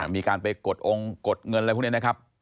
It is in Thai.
มีการไปกดองค์กดเงินอะไรพวกนี้นะครับ